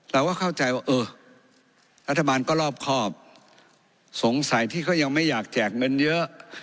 เราก็เข้าใจว่าเออรัฐบาลก็รอบครอบสงสัยที่เขายังไม่อยากแจกเงินเยอะ